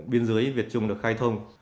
biên giới việt trung đã khai thông